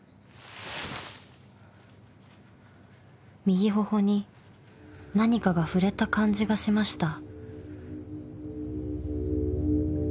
［右頬に何かが触れた感じがしました］